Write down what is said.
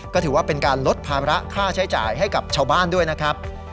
ก็ถือว่าเป็นการลดภาระค่าใช้จ่ายให้กับชาวบ้านด้วยนะครับ